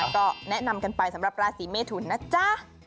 ก็แนะนำกันไปสำหรับราศีเมทุนนะจ๊ะ